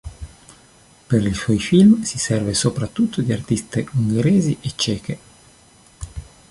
Per i suoi film si serve soprattutto di artiste ungheresi e ceche.